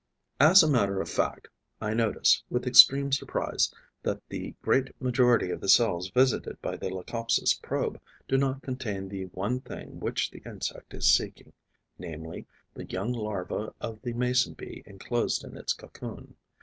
As a matter of fact, I notice, with extreme surprise, that the great majority of the cells visited by the Leucopsis' probe do not contain the one thing which the insect is seeking, namely, the young larva of the Mason bee enclosed in its cocoon.